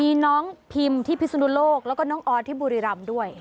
มีน้องพิมที่พิศนุโลกแล้วก็น้องออสที่บุรีรำด้วย